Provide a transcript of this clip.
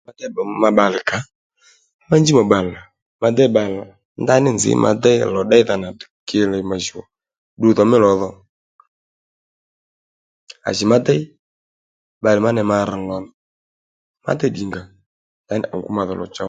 Ma déy bbalè kǎ ma njúw ma bbalè nà ma déy bbalè nà ndaní nzǐ ma déy lò ddéydha nà kiyele ma jùw ò ddudhò mí lò dho à jì ma déy bbalè má ney ma rr lò nì ma déy ddǐnga ndaní à ngǔ madhò lò chow